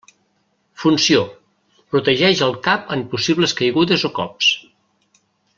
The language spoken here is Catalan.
Funció: protegeix el cap en possibles caigudes o cops.